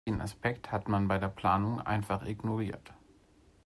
Den Aspekt hat man bei der Planung einfach ignoriert.